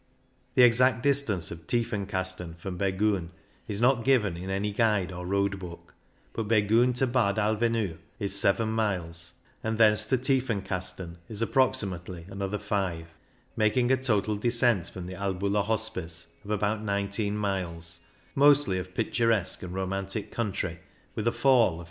The exact distance of Tiefen kasten from Bergiin is not given in any guide or road book, but Bergiin to Bad Alvaneu is seven miles, and thence to Tiefenkasten is approximately another five, making a total descent from the Albula Hospice of about 19 mil, es, mostly of picturesque and romantic country, with a fall of 4,805 feet.